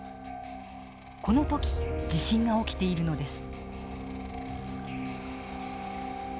この時地震が起きているのです。